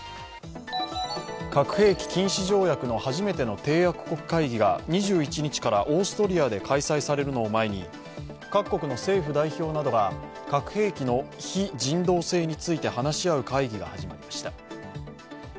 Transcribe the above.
核兵器禁止条約の初めての締約国会議が２１日からオーストリアで開催されるのを前に各国の政府代表などが核兵器の非人道性について話し合う会議が始まりました。